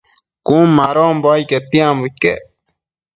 Cun madonbo ai quetianbo iquec